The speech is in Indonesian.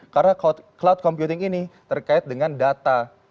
karena cloud computing ini terkait dengan data